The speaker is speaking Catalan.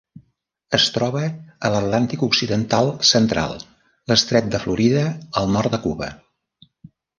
Es troba a l'Atlàntic occidental central: l'estret de Florida al nord de Cuba.